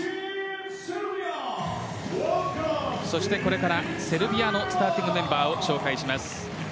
そして、これからセルビアのスターティングメンバーを紹介します。